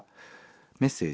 メッセージ。